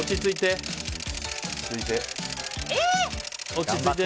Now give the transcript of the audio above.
落ち着いて。